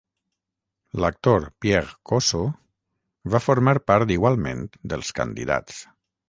L'actor Pierre Cosso va formar part igualment dels candidats.